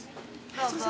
どうぞ。